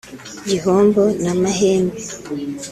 Gihombo na Mahembe